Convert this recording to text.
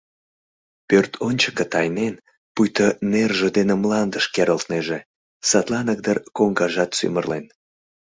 Пӧрт ончыко тайнен, пуйто нерже дене мландыш керылтнеже, садланак дыр коҥгажат сӱмырлен.